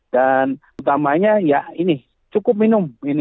dan utamanya ya ini cukup minum